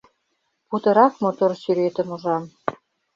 Путырак мотор сӱретым ужам: